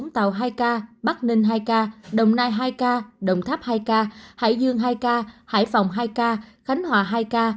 bốn tàu hai ca bắc ninh hai ca đồng nai hai ca đồng tháp hai ca hải dương hai ca hải phòng hai ca khánh hòa hai ca